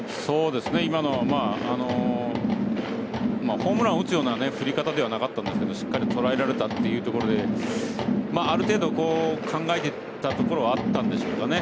今のホームランを打つような振り方ではなかったんですけどしっかり捉えられたというところである程度考えていたところはあったんでしょうかね。